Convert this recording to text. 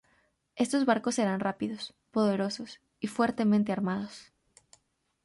Estos barcos eran rápidos, poderosos y fuertemente armados.